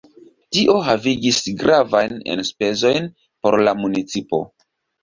Tio havigis gravajn enspezojn por la municipo.